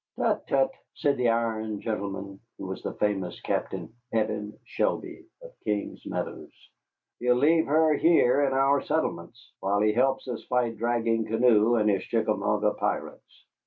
"Tut, tut," said the iron gentleman, who was the famous Captain Evan Shelby of King's Meadows, "he'll leave her here in our settlements while he helps us fight Dragging Canoe and his Chickamauga pirates."